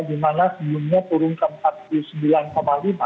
di mana sebelumnya turun ke empat puluh sembilan lima